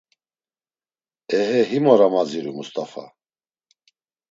Ehe, himora maziru Must̆afa.